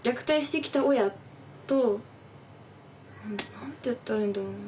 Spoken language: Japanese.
何て言ったらいいんだろうな。